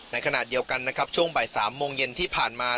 ในขณะเดียวกันนะครับช่วงบ่าย๓โมงเย็นที่ผ่านมา